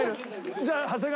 じゃあ長谷川